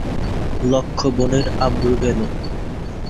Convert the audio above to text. লক্ষ বোনের আব্রু গেলো